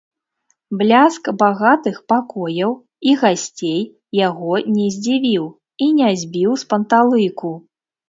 Бляск багатых пакояў і гасцей яго не здзівіў і не збіў з панталыку.